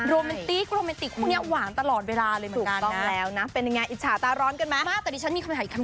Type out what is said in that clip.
โรแมนติกโรแมนติกพวกนี้หวานตลอดเวลาเลยเหมือนกันนะ